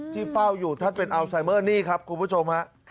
เฝ้าอยู่ท่านเป็นอัลไซเมอร์นี่ครับคุณผู้ชมฮะ